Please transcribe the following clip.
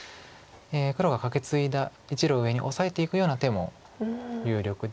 黒がカケツイだ１路上にオサえていくような手も有力で。